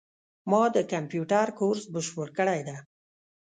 ما د کامپیوټر کورس بشپړ کړی ده